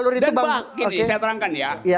dan bagi saya terangkan ya